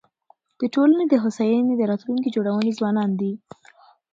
د ټولني د هوساینې د راتلونکي جوړونکي ځوانان دي.